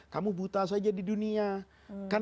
kamu buta saja di dunia kan